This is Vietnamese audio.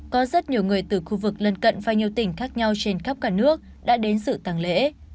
khu vực lân cận và nhiều tỉnh khác nhau trên khắp cả nước đã đến sự tăng lễ